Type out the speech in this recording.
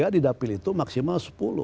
di dapil itu maksimal sepuluh